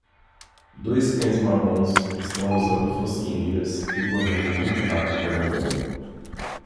Dois cães marrons estão usando focinheiras e correndo muito rápido pela grama.